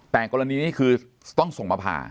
แต่กรณีนี้คือต้องส่งมาผ่า